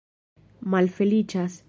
malfeliĉas